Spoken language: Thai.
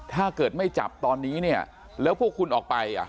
ถ้าเกิดไม่จับตอนนี้เนี่ยแล้วพวกคุณออกไปอ่ะ